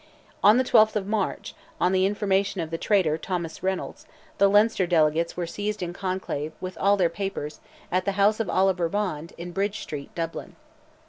On the 12th of March, on the information of the traitor, Thomas Reynolds, the Leinster delegates were seized in conclave, with all their papers, at the house of Oliver Bond, in Bridge Street, Dublin.